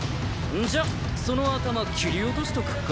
んじゃその頭切り落としとくか。